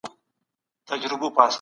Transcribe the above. په حسن كي دي ګډ يـم